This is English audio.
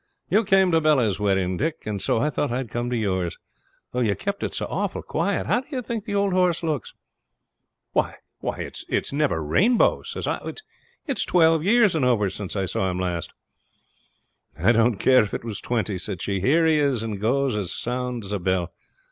You came to Bella's wedding, Dick, and so I thought I'd come to yours, though you kept it so awful quiet. How d'ye think the old horse looks?' 'Why, it's never Rainbow?' says I. 'It's twelve years and over since I saw him last.' 'I didn't care if it was twenty,' said she. 'Here he is, and goes as sound as a bell.